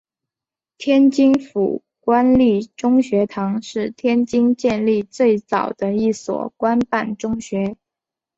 天津府官立中学堂是天津建立最早的一所官办中学。